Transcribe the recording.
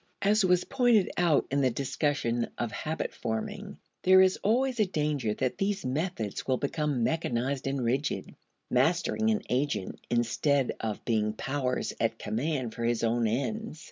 As was pointed out in the discussion of habit forming (ante, p. 49), there is always a danger that these methods will become mechanized and rigid, mastering an agent instead of being powers at command for his own ends.